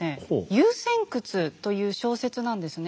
「遊仙窟」という小説なんですね。